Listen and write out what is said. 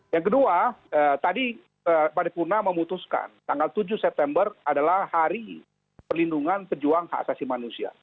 yang kedua tadi paripurna memutuskan tanggal tujuh september adalah hari perlindungan pejuang hak asasi manusia